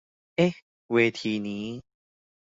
เอ๊ะเวทีนี้